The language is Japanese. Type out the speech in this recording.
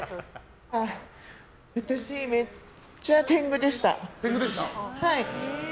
私、めっちゃ天狗でした。